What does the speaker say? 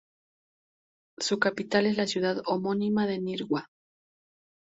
Su capital es la ciudad homónima de Nirgua.